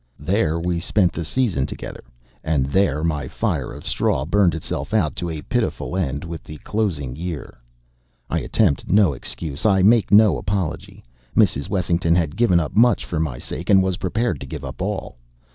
There we spent the season together; and there my fire of straw burned itself out to a pitiful end with the closing year. I attempt no excuse. I make no apology. Mrs. Wessington had given up much for my sake, and was prepared to give up all.